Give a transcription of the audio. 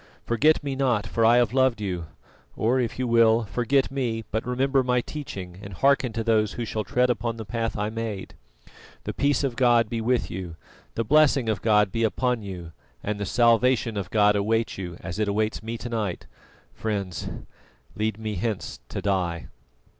Forget me not, for I have loved you; or if you will, forget me, but remember my teaching and hearken to those who shall tread upon the path I made. The peace of God be with you, the blessing of God be upon you, and the salvation of God await you, as it awaits me to night! Friends, lead me hence to die."